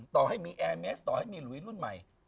ต่อให้มีแอร์เมสต่อให้มีหลุยรุ่นใหม่